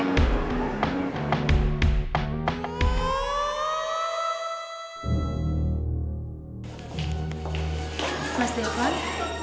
mas di depan